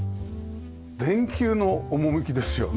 電球の趣ですよね。